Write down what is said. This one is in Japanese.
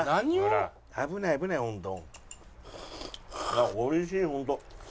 あっ美味しいホント。